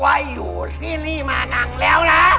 ว่าอยู่ที่นี่มานานแล้วนะ